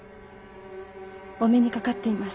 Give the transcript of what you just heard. お目にかかっています。